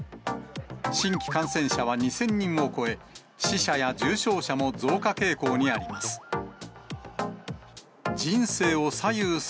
新規感染者は２０００人を超え、死者や重症者も増加傾向にあります。